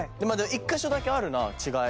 一カ所だけあるな違い。